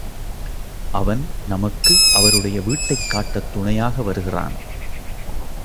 அவன் நமக்கு அவருடைய வீட்டைக் காட்டத் துணையாக வருகிறான்.